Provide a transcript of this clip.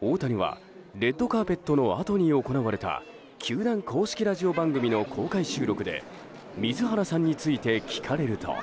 大谷はレッドカーペットのあとに行われた球団公式ラジオ番組の公開収録で水原さんについて聞かれると。